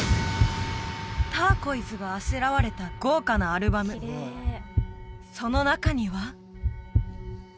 ターコイズがあしらわれた豪華なアルバムその中には？